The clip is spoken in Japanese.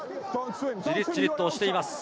じりじりと押しています。